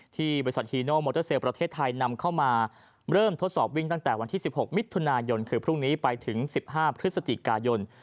ที่บริษัทฮีโนมอเตอร์เซลประเทศไทยนำเข้ามาเริ่มทดสอบวิ่งตั้งแต่วันที่๑๖มิถุนายนคือพรุ่งนี้ไปถึง๑๕พฤศจิกายน